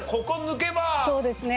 そうですね。